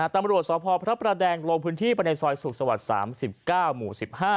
ตำรวจสพพระประแดงลงพื้นที่ไปในซอยสุขสวรรค์๓๙หมู่๑๕